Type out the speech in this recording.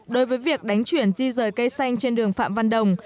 đối với việc đánh chuyển di rời cây xanh trên đường phạm văn đồng